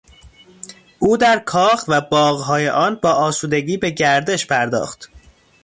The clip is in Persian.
او در کاخ و باغهای آن با آسودگی به گردش پرداخت.